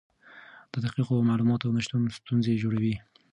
د دقیقو معلوماتو نشتون ستونزې جوړوي.